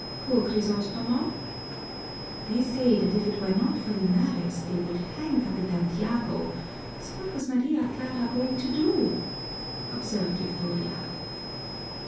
Poor Crisostomo!" "They say that if it were not for Linares, they would hang Capitan Tiago, so what was Maria Clara going to do?" observed Victoria.